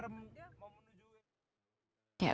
orang itu sudah pada memuja